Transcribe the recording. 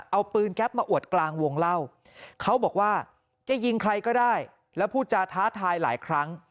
เอาปืนแก๊ปมาอวดกลางวงเล่าเขาบอกว่าจะยิงใครก็ได้แล้วพูดจาท้าทายหลายครั้ง